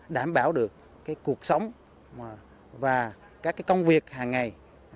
đảm bảo được cuộc sống và các công việc hàng ngày